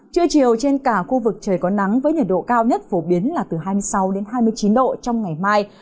trưa chiều trên cả khu vực trời có nắng với nhiệt độ cao nhất phổ biến là từ hai mươi sáu hai mươi chín độ trong ngày mai